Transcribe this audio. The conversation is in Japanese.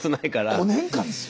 ５年間ですよ。